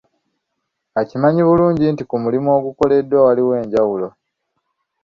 Akimanyi bulungi nti ku mulimu ogukoleddwa waliwo enjawulo.